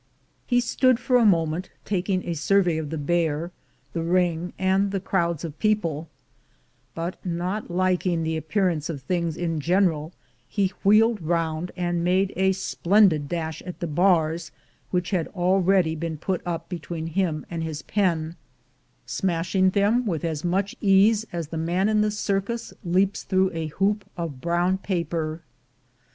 He stood for a moment taking a survey of the bear, the ring, and the crowds of people; but not liking the appearance of things in general, he wheeled round, and made a splendid dash at the bars, which had already been put up between him and his pen, smashing through them with as 280 THE GOLD HUNTERS much ease as the man in the circus leaps through a hoop of brown paper.